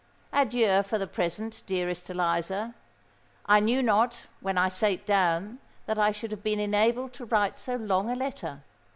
"Adieu for the present, dearest Eliza:—I knew not, when I sate down, that I should have been enabled to write so long a letter.